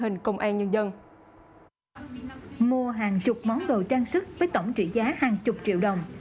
sức với tổng trị giá hàng chục triệu đồng